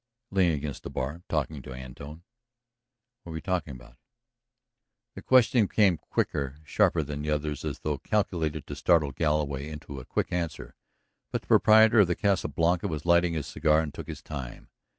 "Leaning against the bar, talking to Antone." "What were you talking about?" This question came quicker, sharper than the others, as though calculated to startle Galloway into a quick answer. But the proprietor of the Casa Blanca was lighting his cigar and took his time.